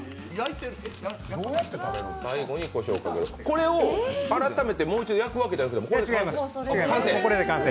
これを改めてもう一度焼くわけじゃなくて、これで完成？